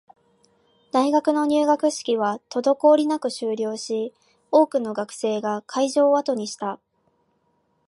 大学の入学式は滞りなく終了し、多くの学生が会場を後にした